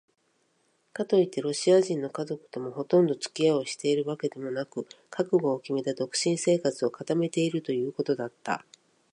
かといってロシア人の家庭ともほとんどつき合いをしているわけでもなく、覚悟をきめた独身生活を固めているということだった。